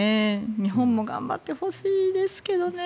日本も頑張ってほしいですけどね。